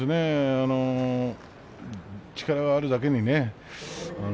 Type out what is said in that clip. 力があるだけにね。